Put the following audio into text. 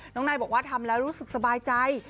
นายบอกว่าทำแล้วรู้สึกสบายใจ